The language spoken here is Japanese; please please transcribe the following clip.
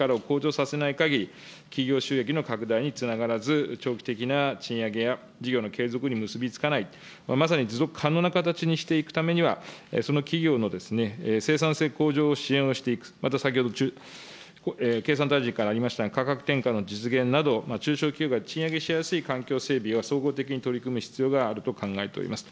賃金の直接補填について、また、企業の生産性や稼ぐ力を向上させないかぎり、企業収益の拡大につながらず、長期的な賃上げや、事業の継続に結び付かない、まさに持続可能な形にしていくためには、その企業の生産性向上を支援をしていく、また先ほど経産大臣からありましたが、価格転嫁の実現など、中小企業が賃上げしやすい環境整備は総合的に取り組む必要があると考えております。